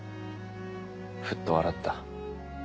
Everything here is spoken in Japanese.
フッと笑った。